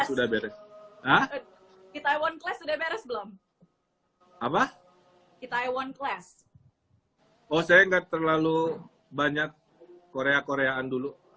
udah beres beres belum apa kita i want class oh saya enggak terlalu banyak korea korea dulu